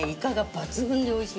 抜群においしい？